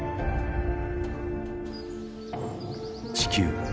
地球。